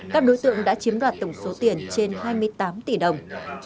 các đối tượng đã chiếm đoạt tổng số tiền trên hai mươi tám tỷ đồng